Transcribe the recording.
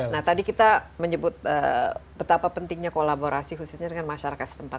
nah tadi kita menyebut betapa pentingnya kolaborasi khususnya dengan masyarakat setempat